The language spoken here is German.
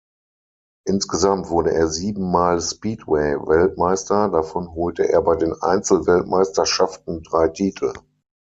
Insgesamt wurde er sieben Mal Speedway-Weltmeister, davon holte er bei den Einzel-Weltmeisterschaften drei Titel.